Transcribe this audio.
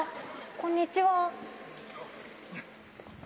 こんにちは。